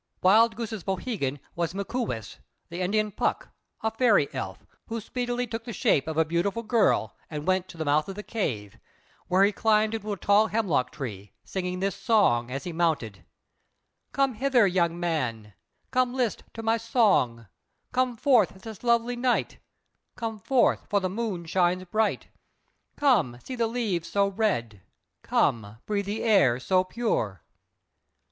Wild Goose's poohegan was "Mikŭmwess," the Indian Puck, a fairy elf, who speedily took the shape of a beautiful girl and went to the mouth of the cave, where he climbed into a tall hemlock tree, singing this song as he mounted: "Come hither, young man, Come list to my song, Come forth this lovely night, Come forth, for the moon shines bright, Come, see the leaves so red, Come, breathe the air so pure."